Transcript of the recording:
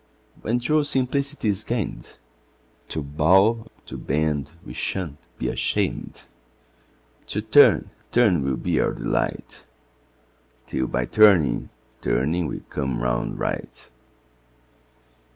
When true simplicity is gain'd, To bow and to bend we shan't be asham'd, To turn, turn will be our delight 'Till by turning, turning we come round right.